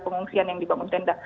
pengungsian yang dibangun tenda